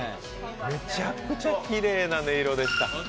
めちゃくちゃきれいな音色でした。